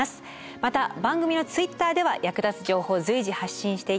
また番組のツイッターでは役立つ情報を随時発信していきます。